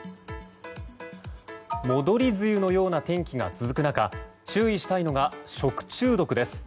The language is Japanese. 戻り梅雨のような天気が続く中注意したいのが食中毒です。